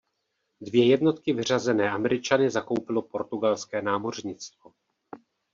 Dvě jednotky vyřazené Američany zakoupilo portugalské námořnictvo.